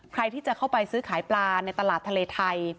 ใครที่จะเข้าไปซื้อขายปลาในตลาดทะเลไทย